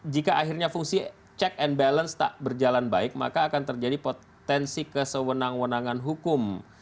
jika akhirnya fungsi check and balance tak berjalan baik maka akan terjadi potensi kesewenang wenangan hukum